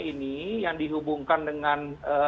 ini yang dihubungkan dengan